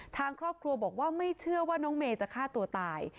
ทางครอบครัวบอกว่าไม่เชื่อว่าน้องเมย์จะฆ่าตัวตาย